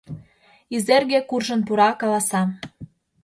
Изерге куржын пура, каласа: